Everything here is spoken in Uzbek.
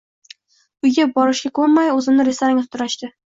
Uyga borishga ko‘nmay, o‘zimni restoranga sudrashdi.